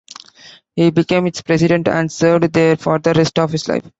He became its president and served there for the rest of his life.